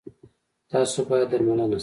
تاسو باید درملنه شی